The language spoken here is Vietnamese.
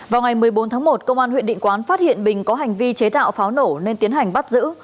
vào ngày một mươi bốn tháng một công an huyện định quán phát hiện bình có hành vi chế tạo pháo nổ nên tiến hành bắt giữ